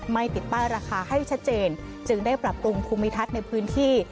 ไม่ติดป้ายราคาให้ชัดเจนจึงได้ปรับปรุงภูมิทัศน์ในพื้นที่